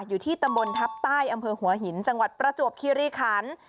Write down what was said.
อยู่ที่ตำบลทัพใต้อำเภอหัวหินจังหวัดประจวบคิริขัน